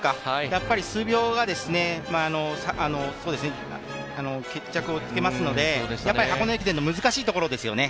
やっぱり数秒が決着をつけますので、箱根駅伝の難しいところですね。